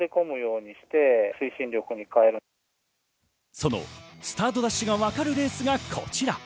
そのスタートダッシュが分かるレースがこちら。